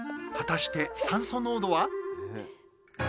果たして酸素濃度は？